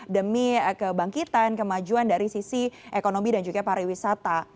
demi kebangkitan kemajuan dari sisi ekonomi dan juga pariwisata